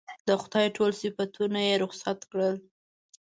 د خدای ټول صفتونه یې رخصت کړل.